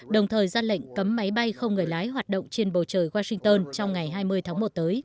đồng thời ra lệnh cấm máy bay không người lái hoạt động trên bầu trời washington trong ngày hai mươi tháng một tới